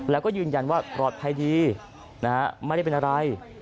แล้วก็ยืนยันว่าปลอดภัยดีนะฮะไม่ได้เป็นอะไร